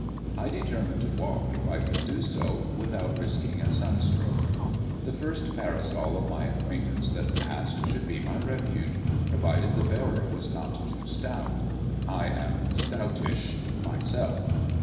I determined to walk, if I could do so without risking a sunstroke. The first parasol of my acquaintance that passed should be my refuge, provided the bearer were not too stout. I am stoutish myself.